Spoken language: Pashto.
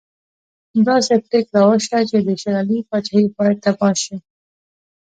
داسې پرېکړه وشوه چې د شېر علي پاچهي باید تباه شي.